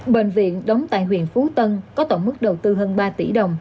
bệnh viện đóng tại huyện phú tân có tổng mức đầu tư hơn ba tỷ đồng